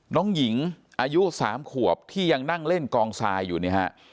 น้องหญิงอายุ๓ขวบที่ยังนั่งเล่นกองทรายอยู่เนี่ยฮะ